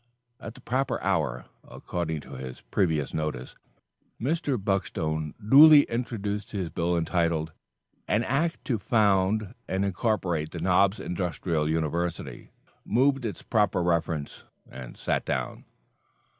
At the proper hour, according to his previous notice, Mr. Buckstone duly introduced his bill entitled "An Act to Found and Incorporate the Knobs Industrial University," moved its proper reference, and sat down.